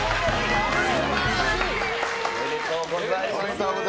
おめでとうございます。